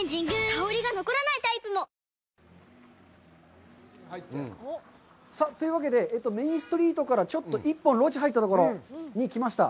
香りが残らないタイプも！さあ、というわけで、メインストリートから１本路地に入ったところに来ました。